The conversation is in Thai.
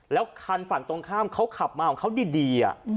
แล้วคันฝั่งตรงข้ามเขาขับมาของเขาดี